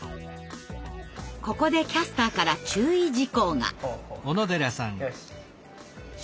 ここでキャスターから注意事項が。